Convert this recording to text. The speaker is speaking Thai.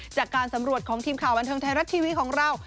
จากการสำรวจของทีมข่าวบันเทิงไทยรัฐทีวีของเรา